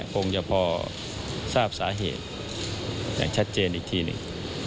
คงจะพอทราบสาเหตุอย่างชัดเจนอีกทีหนึ่ง